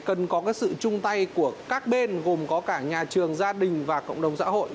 cần có cái sự chung tay của các bên gồm có cả nhà trường gia đình và cộng đồng xã hội